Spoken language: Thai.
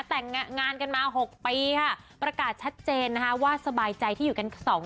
แต่งงานกันมาหกปีค่ะประกาศชัดเจนนะคะว่าสบายใจที่อยู่กันสองคน